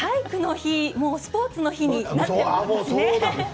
もうスポーツの日になっていますね。